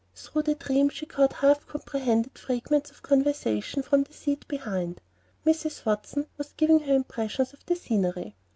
Through the dream she caught half comprehended fragments of conversation from the seat behind. Mrs. Watson was giving her impressions of the scenery.